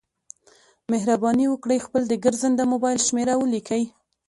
مهرباني وکړئ خپل د ګرځنده مبایل شمېره ولیکئ